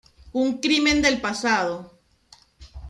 Un crimen del pasado.